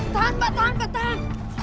tahan pak tahan pak tahan